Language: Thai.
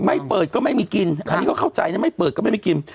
ไม่เปิดก็ไม่มีกินอันนี้ก็เข้าใจนะไม่เปิดก็ไม่มีกิน